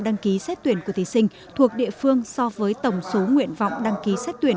đăng ký xét tuyển của thí sinh thuộc địa phương so với tổng số nguyện vọng đăng ký xét tuyển